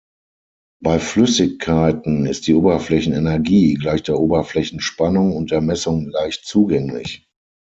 Bei Flüssigkeiten ist die Oberflächenenergie gleich der Oberflächenspannung und der Messung leicht zugänglich.